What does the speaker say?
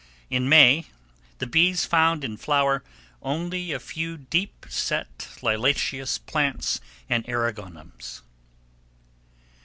In May, the bees found in flower only a few deep set liliaceous plants and eriogonums.